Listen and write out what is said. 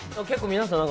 皆さん